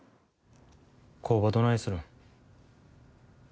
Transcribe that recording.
工場どないするん。